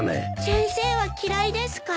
先生は嫌いですか？